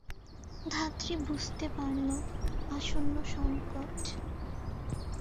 ধাত্রী বুঝতে পারলো আসন্ন সংকট।